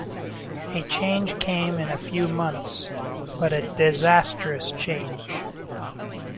A change came in a few months, but a disastrous change.